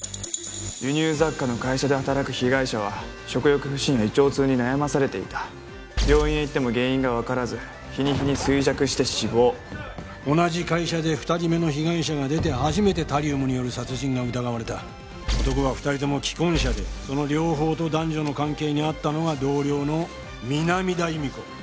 輸入雑貨の会社で働く被害者は食欲不振や胃腸痛に悩まされていた病院へ行っても原因が分からず日に日に衰弱して死亡同じ会社で２人目の被害者が出て初めてタリウムによる殺人が疑われた男は２人とも既婚者でその両方と男女の関係にあったのが同僚の南田弓子